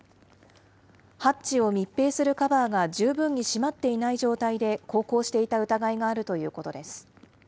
ハッチを密閉するカバーが十分に締まっていない状態で航行していた疑いがあるということです。